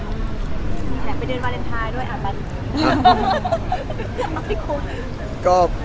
ห้ามไปเดินวาลรีนไทยด้วยนะครับ